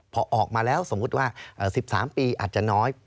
พอออกมาแล้วสมมุติว่า๑๓ปีอาจจะน้อย